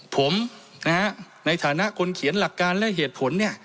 ผมในฐานะคนเขียนหลักการและเหตุผลเนี่ย